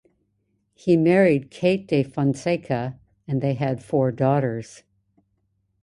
He married Kate de Fonseka and they had four daughters.